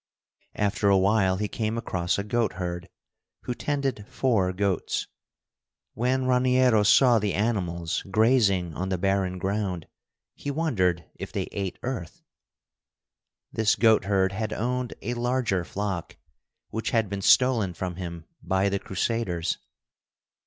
After a while he came across a goatherd, who tended four goats. When Raniero saw the animals grazing on the barren ground, he wondered if they ate earth. This goatherd had owned a larger flock, which had been stolen from him by the Crusaders.